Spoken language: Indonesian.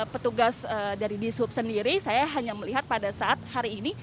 petugas dari dishub sendiri saya hanya melihat pada saat hari ini